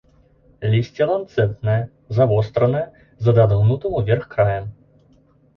Лісце ланцэтнае, завостранае, з адагнутым уверх краем.